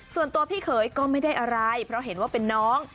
ส่วนตัวพี่เขยก็ไม่ได้อะไรเพราะเห็นว่าเป็นน้อง